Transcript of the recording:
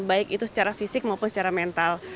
baik itu secara fisik maupun secara mental